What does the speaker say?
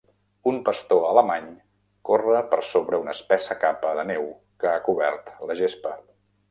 Un pastor alemany corre per sobre una espessa capa de neu que ha cobert la gespa.